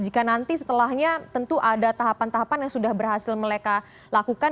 jika nanti setelahnya tentu ada tahapan tahapan yang sudah berhasil mereka lakukan